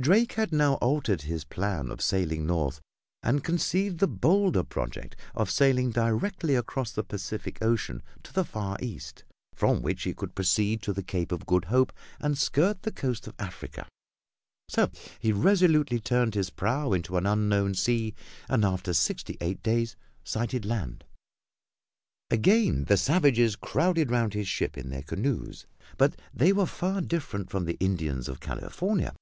Drake had now altered his plan of sailing north and had conceived the bolder project of sailing directly across the Pacific Ocean to the Far East, from which he could proceed to the Cape of Good Hope and skirt the Coast of Africa. So he resolutely turned his prow into an unknown sea, and after sixty eight days sighted land. Again the savages crowded around his ship in their canoes, but they were far different from the Indians of California.